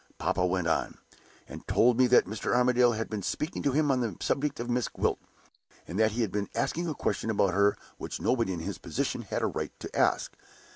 Papa went on, and told me that Mr. Armadale had been speaking to him on the subject of Miss Gwilt, and that he had been asking a question about her which nobody in his position had a right to ask.